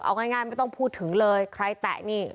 เอาง่ายไม่ต้องพูดถึงเลยใครแตะนี่